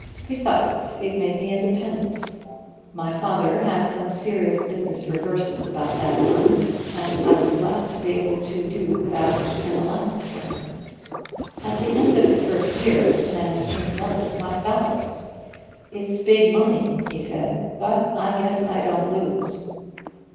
Besides, it made me independent. My father had some serious business reverses about that time, and I was glad to be able to do without an allowance from him. At the end of the first year Manderson doubled my salary. 'It's big money,' he said, 'but I guess I don't lose.'